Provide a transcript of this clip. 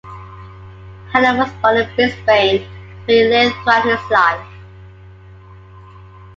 Hanlon was born in Brisbane, where he lived throughout his life.